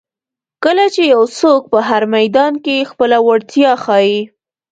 کله چې یو څوک په هر میدان کې خپله وړتیا ښایي.